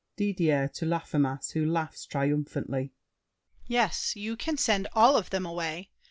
DIDIER (to Laffemas, who laughs triumphantly). Yes, you can Send all of them away.